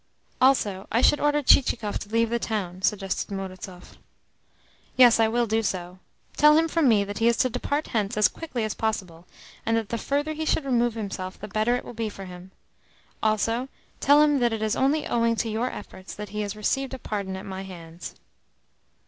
"Also, I should order Chichikov to leave the town," suggested Murazov. "Yes, I will do so. Tell him from me that he is to depart hence as quickly as possible, and that the further he should remove himself, the better it will be for him. Also, tell him that it is only owing to your efforts that he has received a pardon at my hands."